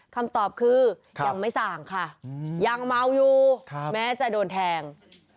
คำตอบคือยังไม่สั่งค่ะยังเมาอยู่แม้จะโดนแทง